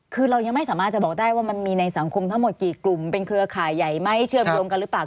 คือเรายังไม่สามารถจะบอกได้ว่ามันมีในสังคมทั้งหมดกี่กลุ่มเป็นเครือข่ายใหญ่ไหมเชื่อมโยงกันหรือเปล่า